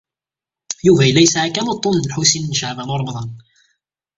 Yuba yella yesɛa kan uḍḍun n Lḥusin n Caɛban u Ṛemḍan.